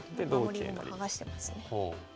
守り駒剥がしてますね。